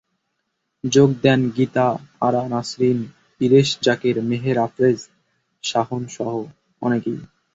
যোগ দেন গীতা আরা নাসরীন, ইরেশ যাকের, মেহের আফরোজ শাওনসহ অনেকে।